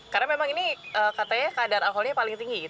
karena memang ini katanya kadar alkoholnya paling tinggi